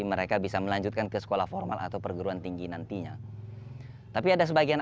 mereka bisa melanjutkan ke sekolah formal atau perguruan tinggi nantinya tapi ada sebagian